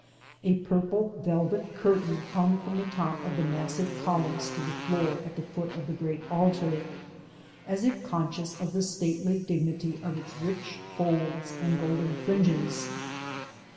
A purple velvet curtain hung from the top of the massive columns to the floor at the foot of the Great Altar, as if conscious of the stately dignity of its rich folds and golden fringes.